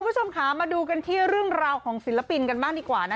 คุณผู้ชมค่ะมาดูกันที่เรื่องราวของศิลปินกันบ้างดีกว่านะ